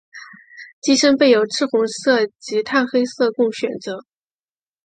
机身备有赤红色及碳黑色供选择。